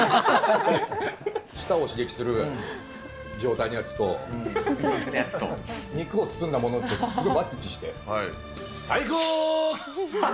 舌を刺激する状態のやつと、肉を包んだものと、すごいマッチして、サイコー！